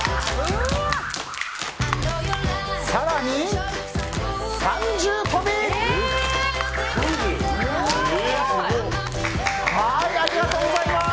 更に、三重跳び！ありがとうございます！